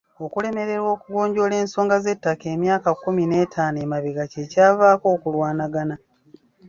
Okulemererwa okugonjoola ensonga z'ettaka emyaka kkumi n'etaano emabega kye kyavaako okulwanagana.